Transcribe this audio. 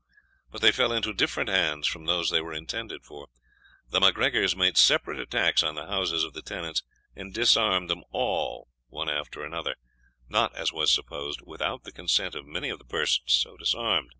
But they fell into different hands from those they were intended for. The MacGregors made separate attacks on the houses of the tenants, and disarmed them all one after another, not, as was supposed, without the consent of many of the persons so disarmed.